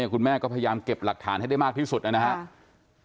คุณแม่ก็พยายามเก็บหลักฐานให้ได้มากที่สุดนะครับ